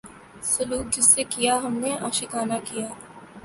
سلوک جس سے کیا ہم نے عاشقانہ کیا